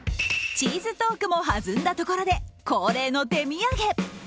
チーズトークも弾んだところで恒例の手土産。